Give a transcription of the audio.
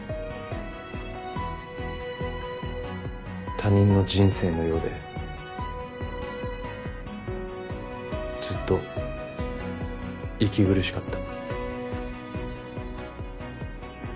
他人の人生のようでずっと息苦しかった。